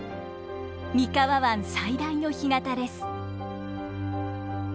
三河湾最大の干潟です。